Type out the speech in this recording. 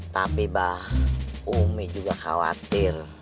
tapi mbak umi juga khawatir